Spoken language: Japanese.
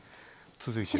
続いては？